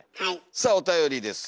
さあおたよりです。